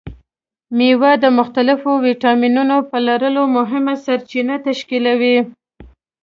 مېوې د مختلفو ویټامینونو په لرلو مهمې سرچینې تشکیلوي.